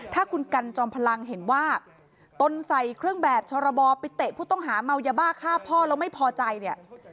ถ้าคุณกันจอมพลังเห็นว่าตนใส่เครื่องแบบชรบไปเตะผู้ต้องหาเมายาบ้าฆ่าพ่อแล้วไม่พอใจเนี่ย